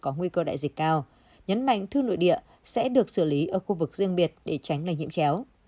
có nguy cơ đại dịch cao nhấn mạnh thư nội địa sẽ được xử lý ở khu vực riêng biệt để tránh lây nhiễm chéo